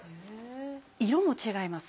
色も違います。